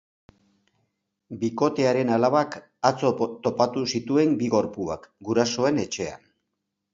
Bikotearen alabak atzo topatu zituen bi gorpuak, gurasoen etxean.